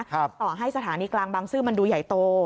ต่อให้สถานีกลางบางซื่อมันดูใหญ่โต